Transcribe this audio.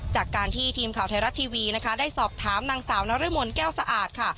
จากการที่ทีมข่าวไทยรัฐทีวีนะคะได้สอบถามนางสาวนรมนแก้วสะอาดค่ะ